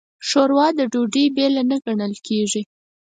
ښوروا د ډوډۍ بېله نه ګڼل کېږي.